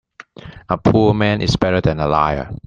A poor man is better than a liar.